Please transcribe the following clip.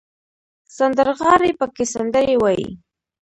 سندرغاړي پکې سندرې وايي.